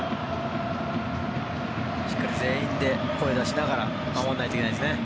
しっかり全員で声を出しながら守らないといけないですね。